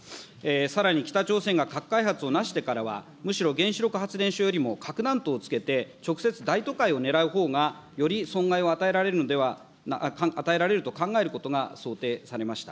さらに北朝鮮が核開発をなしてからは、むしろ原子力発電所よりも核弾頭をつけて直接、大都会を狙うほうがより損害を与えられると考えることが想定されました。